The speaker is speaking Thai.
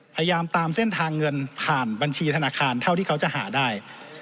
พยายามตามเส้นทางเงินผ่านบัญชีธนาคารเท่าที่เขาจะหาได้